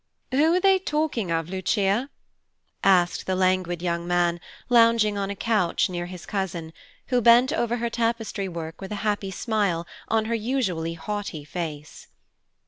"Who are they talking of, Lucia?" asked the languid young man lounging on a couch near his cousin, who bent over her tapestry work with a happy smile on her usually haughty face.